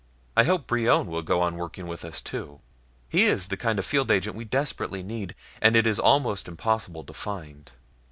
"I hope Brion will go on working with us too. He is the kind of field agent we desperately need, and it is almost impossible to find."